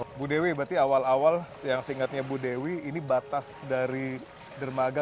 ibu dewi berarti awal awal yang seingatnya bu dewi ini batas dari dermaga